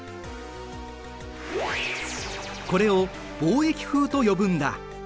これを貿易風と呼ぶんだ。